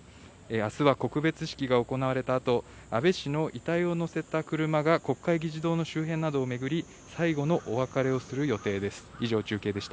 あすは告別式が行われたあと、安倍氏の遺体を乗せた車が国会議事堂の周辺などを巡り、最後のお別れをする予定です。